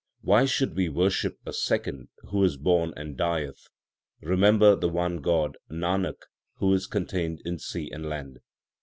Why should we worship a second who is born and dieth ? Remember the one God, Nanak, who is contained in sea and land.